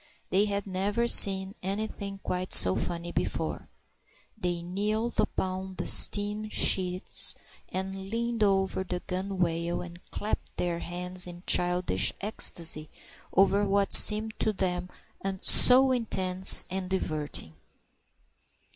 They had never seen anything quite so funny before. They kneeled upon the stern sheets, and leaned over the gunwale, and clapped their hands in childish ecstasy over what seemed to them so intensely diverting.